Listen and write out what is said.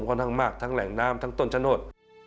ค่อนข้างมากทั้งแหล่งน้ำทั้งต้นชะโนธ